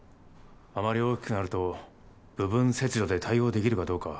あまり大きくなると部分切除で対応出来るかどうか。